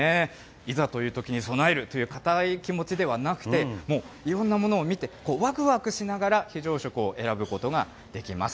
いざというときに備えるという硬い気持ちではなくて、いろんなものを見て、わくわくしながら非常食を選ぶことができます。